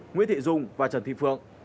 nguyễn thị dung và trần thị phượng